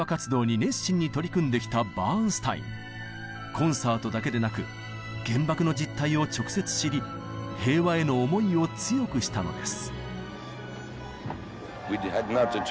コンサートだけでなく原爆の実態を直接知り平和への思いを強くしたのです。